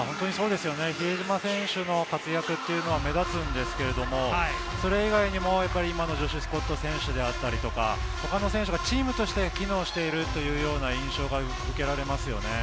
比江島選手の活躍が目立つんですけれども、それ以外にもジョシュ・スコット選手であったり、他の選手がチームとして機能しているというような印象が見受けられますよね。